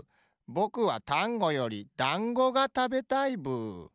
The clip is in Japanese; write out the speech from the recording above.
ぼくはタンゴよりだんごがたべたいブー。